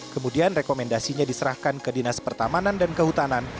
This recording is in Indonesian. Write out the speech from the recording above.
kemudian rekomendasinya diserahkan ke dinas pertamanan dan kehutanan